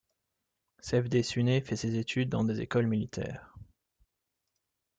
Cevdet Sunay fait ses études dans des écoles militaires.